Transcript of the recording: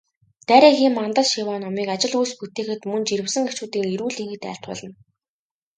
Дарь эхийн мандал шиваа номыг ажил үйлс бүтээхэд, мөн жирэмсэн эхчүүдийн эрүүл энхэд айлтгуулна.